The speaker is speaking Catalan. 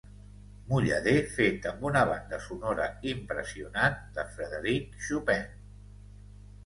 Mullader fet amb una banda sonora impressionant de Frederic Chopin.